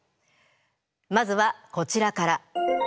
まずはこちらから。